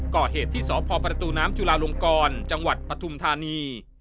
ก่อเหตุที่สพประตูน้ำจุลาลงกรจังหวัดปฐุมธานี